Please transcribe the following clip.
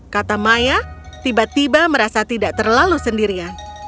kata maya tiba tiba merasa tidak terlalu sendirian